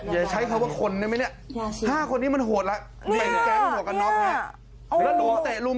อย่าใช้คำว่าคนได้ไหมเนี้ยแค่สิห้าคนนี้มันโหดละแม่งแก๊ง